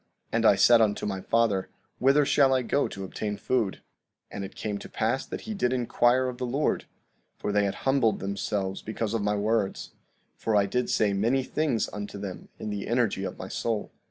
And I said unto my father: Whither shall I go to obtain food? 16:24 And it came to pass that he did inquire of the Lord, for they had humbled themselves because of my words; for I did say many things unto them in the energy of my soul.